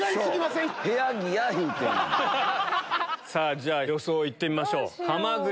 じゃ予想いってみましょう。